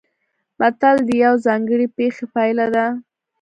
متل د یوې ځانګړې پېښې پایله ده